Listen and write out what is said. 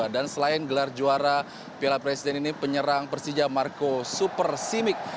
dan selain gelar juara piala presiden ini penyerang persija marco supersimic